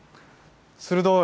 鋭い。